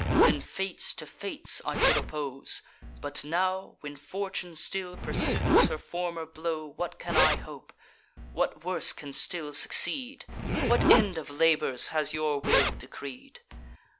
Then fates to fates I could oppose; but now, When Fortune still pursues her former blow, What can I hope? What worse can still succeed? What end of labours has your will decreed?